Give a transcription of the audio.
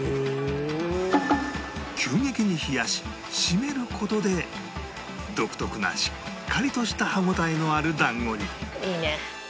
急激に冷やし締める事で独特なしっかりとした歯応えのある団子に